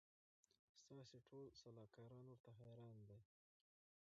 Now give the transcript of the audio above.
ستاسي ټول سلاکاران ورته حیران دي